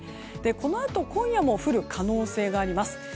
このあと今夜も降る可能性があります。